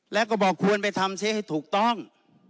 แล้วก็บอกควรไปทำเสียให้ถูกต้อง